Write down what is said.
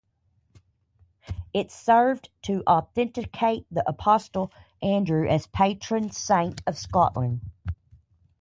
It served to authenticate the apostle Andrew as patron saint of Scotland.